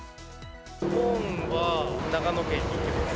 お盆は長野県に行ってきます。